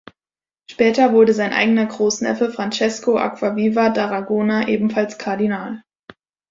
Später wurde sein eigener Großneffe Francesco Acquaviva d’Aragona ebenfalls Kardinal.